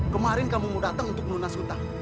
kemarin kamu mau dateng untuk menunas utang